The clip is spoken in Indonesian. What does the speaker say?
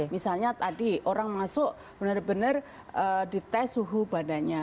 misalnya tadi orang masuk benar benar dites suhu badannya